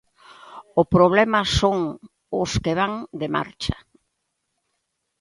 O problema son os que van de marcha.